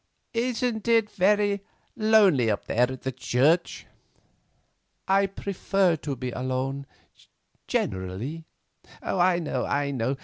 "Isn't it very lonely up there in that old church?" "I prefer to be alone—generally." "I know, I know.